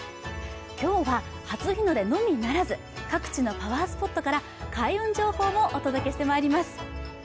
今日は初日の出のみならず各地のパワースポットから開運情報もお届けしてまいります。